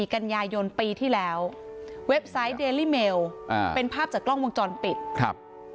กันยายนปีที่แล้วเว็บไซต์เดลลี่เมลอ่าเป็นภาพจากกล้องวงจรปิดครับ